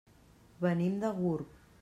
Venim de Gurb.